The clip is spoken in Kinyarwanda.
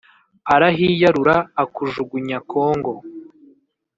Arahiyarura akujugunya Kongo !